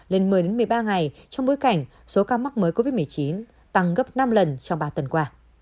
lên một mươi một mươi ba ngày trong bối cảnh số ca mắc mới covid một mươi chín tăng gấp năm lần trong ba tuần qua